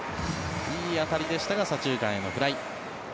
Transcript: いい当たりでしたが左中間へのフライ。